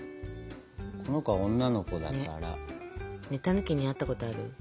この子は女の子だから。ねえたぬきに会ったことある？